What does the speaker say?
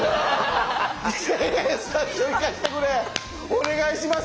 お願いします！